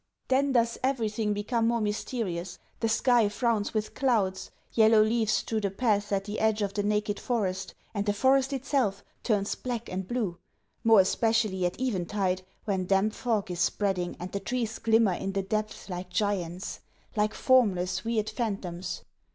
Then does everything become more mysterious, the sky frowns with clouds, yellow leaves strew the paths at the edge of the naked forest, and the forest itself turns black and blue more especially at eventide when damp fog is spreading and the trees glimmer in the depths like giants, like formless, weird phantoms.